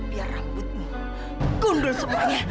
biar rambutmu gundul semuanya